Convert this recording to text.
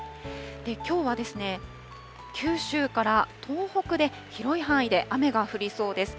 きょうは九州から東北で、広い範囲で雨が降りそうです。